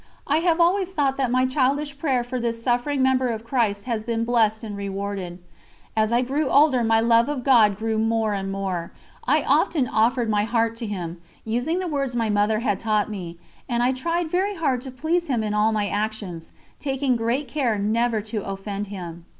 I have always thought that my childish prayer for this suffering member of Christ has been blessed and rewarded. As I grew older my love of God grew more and more. I often offered my heart to Him, using the words my Mother had taught me, and I tried very hard to please Him in all my actions, taking great care never to offend Him.